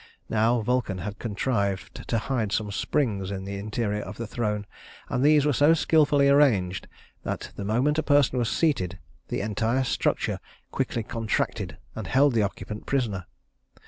Now Vulcan had contrived to hide some springs in the interior of the throne, and these were so skillfully arranged that the moment a person was seated, the entire structure quickly contracted and held the occupant prisoner.